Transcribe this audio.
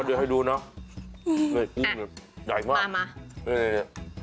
เดี๋ยวให้ดูนะในกุ้งใหญ่มาก